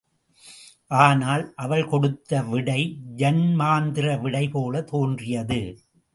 ஆனால் அவள் கொடுத்த விடை ஜன்மாந்திர விடை போலத் தோன்றியது.